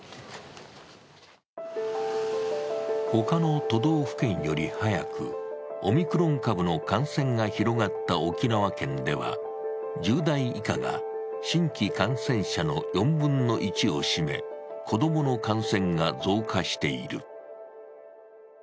他の都道府県より早くオミクロン株の感染が広がった沖縄県では、１０代以下が新規感染者の４分の１を占め、子供の感染が増加している。